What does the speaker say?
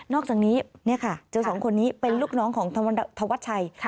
อกจากนี้เจอสองคนนี้เป็นลูกน้องของธวัชชัย